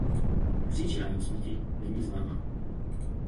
Příčina jeho smrti není známá.